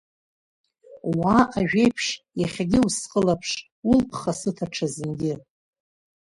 Уа, Ажәеиԥшь, иахьагьы усхылаԥш, улԥха сыҭа ҽазынгьы!